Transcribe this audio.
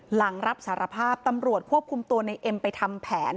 หลังรับสารภาพตำรวจควบคุมตัวในเอ็มไปทำแผน